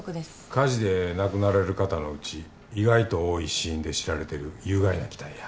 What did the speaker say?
火事で亡くなられる方のうち意外と多い死因で知られてる有害な気体や。